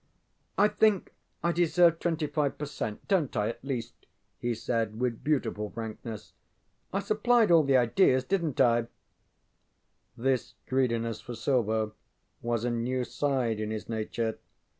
ŌĆ£I think I deserve twenty five per cent., donŌĆÖt I, at least, ŌĆØ he said, with beautiful frankness. ŌĆ£I supplied all the ideas, didnŌĆÖt I?ŌĆØ This greediness for silver was a new side in his nature.